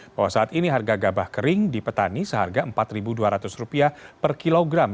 bahwa saat ini harga gabah kering di petani seharga rp empat dua ratus per kilogram